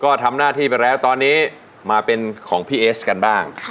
ก็ทำหน้าที่ไปแล้วตอนนี้มาเป็นของพี่เอสกันบ้าง